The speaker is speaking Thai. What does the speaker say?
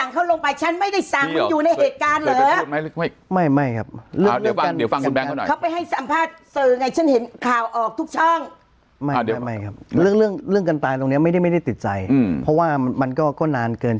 ที่จงไม่ได้กันบอกมาว่าไม่ไปสั่งเขาลงไปฉันไม่ได้สั่งงี้ต้องลูก